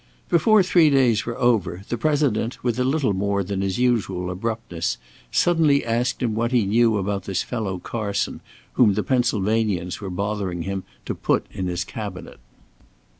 Before three days were over, the President, with a little more than his usual abruptness, suddenly asked him what he knew about this fellow Carson, whom the Pennsylvanians were bothering him to put in his Cabinet.